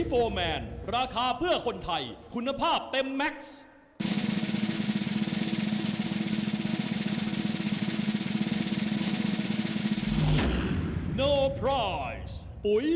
โปรดติดตามต่อไป